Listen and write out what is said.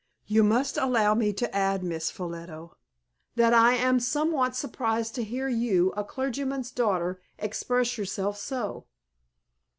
You must allow me to add, Miss Ffolliot, that I am somewhat surprised to hear you, a clergyman's daughter, express yourself so."